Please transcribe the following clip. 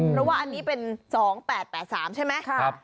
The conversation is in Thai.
เพราะว่าอันนี้เป็น๒๘๘๓ใช่ไหม